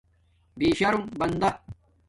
بِشرم بندا